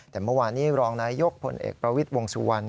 แต่เมื่อวานนี้รองนายยกผลเอกประวิทย์วงสุวรรณ